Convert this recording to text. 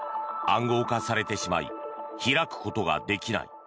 暗号化されてしまい開くことができない。